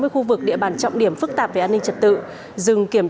chín trăm sáu mươi khu vực địa bàn trọng điểm